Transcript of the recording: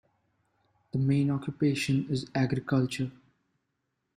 The main occupation is agriculture.